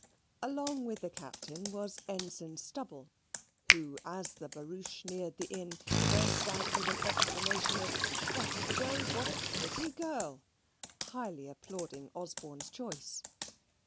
Along with the Captain was Ensign Stubble; who, as the barouche neared the inn, burst out with an exclamation of "By Jove! what a pretty girl"; highly applauding Osborne's choice.